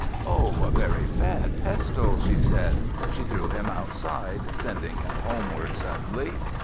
"Oh! A very bad pestle," she said. She threw him outside, sending him homeward suddenly.